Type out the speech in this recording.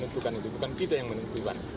tidak ada lagi pak